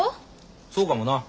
そうかもな。